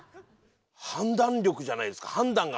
判断力じゃないですか。